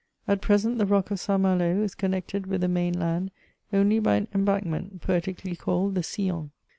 At present, the rock of St. Malo is connected with the main land only by an onbankment, poetically called the Sillon.